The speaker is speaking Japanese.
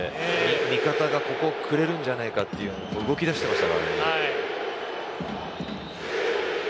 味方がここくれるんじゃないかというところに動き出してましたからね。